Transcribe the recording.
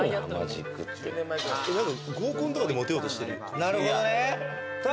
合コンとかで、もてようとしてる。